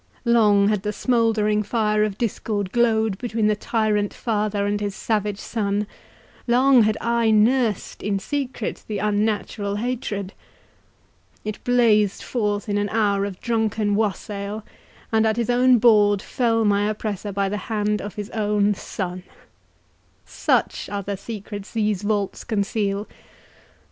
Long had the smouldering fire of discord glowed between the tyrant father and his savage son—long had I nursed, in secret, the unnatural hatred—it blazed forth in an hour of drunken wassail, and at his own board fell my oppressor by the hand of his own son—such are the secrets these vaults conceal!